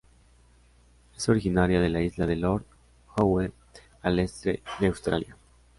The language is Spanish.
Es originaria de la isla de Lord Howe al este de Australia.